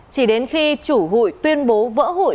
chỉ đến khi chủ hụi tuyên bố vỡ hụi